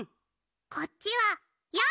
こっちは４！